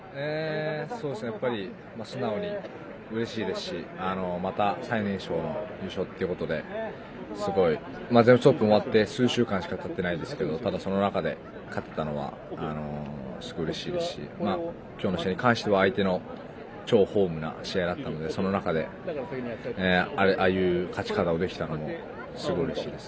やっぱり素直にうれしいですしまた、最年少の優勝ってことで前の試合から数週間しかたっていないですけどその中で勝てたのはすごいうれしいですし今日の試合に関しては相手の超ホームな試合だったのでその中で、ああいう勝ち方をできたのもすごいうれしいです。